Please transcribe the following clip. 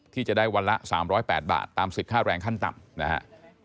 ที่จะได้วันละ๓๐๘บาทตามสิทธิค่าแรงขั้นต่ำนะฮะ